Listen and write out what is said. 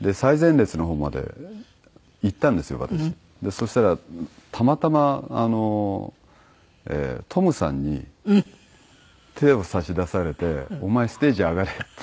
そしたらたまたまトムさんに手を差し出されて「お前ステージ上がれ」って。